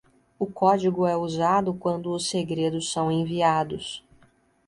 O código é usado quando os segredos são enviados.